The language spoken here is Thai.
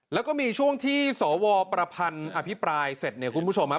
แล้วก็มีช่วงที่สวประพันธ์อภิปรายเสร็จเนี่ยคุณผู้ชมครับ